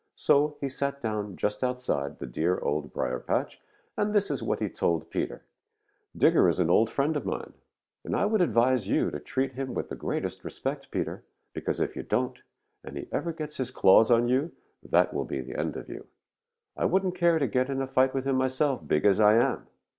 So he sat down just outside the dear Old Briar patch, and this is what he told Peter: "Digger is an old friend of mine, and I would advise you to treat him with the greatest respect, Peter, because if you don't, and he ever gets his claws on you, that will be the end of you. I wouldn't care to get in a fight with him myself, big as I am.